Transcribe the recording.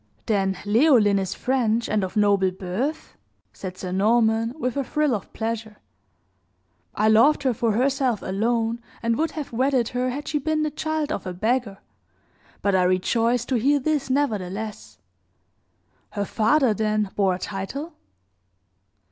"Then Leoline is French and of noble birth?" said Sir Norman, with a thrill of pleasure. "I loved her for herself alone, and would have wedded her had she been the child of a beggar; but I rejoice to hear this nevertheless. Her father, then, bore a title?"